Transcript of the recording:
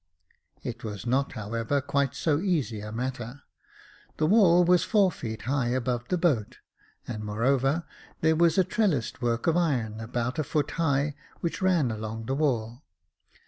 It was not, however, quite so easy a matter ; the wall was four feet high above the boat, and, moreover, there was a trellised work of iron, above a foot high, which ran along the wall.